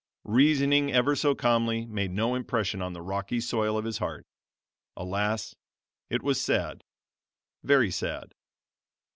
Reasoning ever so calmly made no impression on the rocky soil of his heart. Alas! it was sad, very sad!